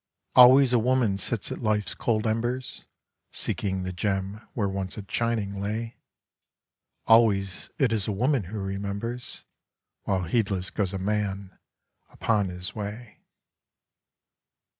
Always a woman sits at Life's cold embers. Seeking the gem where once it shining lay ; Always it is a woman who remembers. While heedless goes a man upon his way.